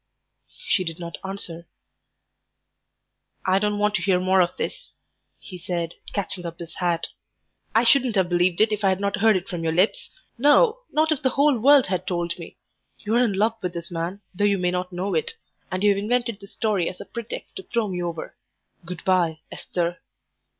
She did not answer. "I don't want to hear more of this," he said, catching up his hat. "I shouldn't have believed it if I had not heard it from your lips; no, not if the whole world had told me. You are in love with this man, though you may not know it, and you've invented this story as a pretext to throw me over. Good bye, Esther."